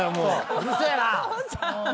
うるせえな！